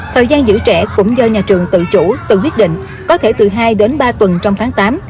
thời gian giữ trẻ cũng do nhà trường tự chủ tự quyết định có thể từ hai đến ba tuần trong tháng tám